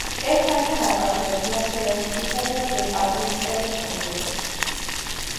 ერთმანეთთან აკავშირებს ვასილევსკისა და დეკაბრისტების კუნძულებს.